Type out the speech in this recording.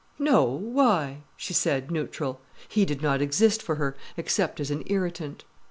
"No, why?" she said neutral. He did not exist for her, except as an irritant.